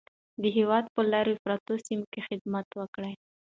د هېواد په لیرې پرتو سیمو کې خدمت وکړئ.